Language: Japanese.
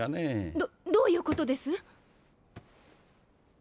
どっどういうことです？